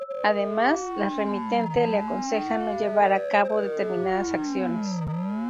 Además, la remitente le aconseja no llevar a cabo determinadas acciones.